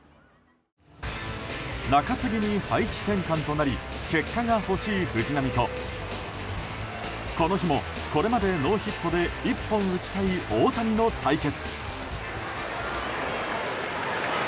中継ぎに配置転換となり結果が欲しい藤浪とこの日もこれまでノーヒットで１本打ちたい大谷の対決。